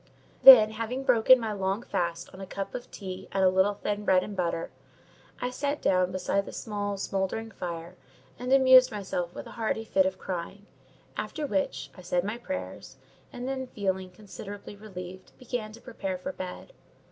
Then, having broken my long fast on a cup of tea and a little thin bread and butter, I sat down beside the small, smouldering fire, and amused myself with a hearty fit of crying; after which, I said my prayers, and then, feeling considerably relieved, began to prepare for bed.